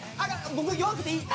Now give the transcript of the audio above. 僕弱くていい。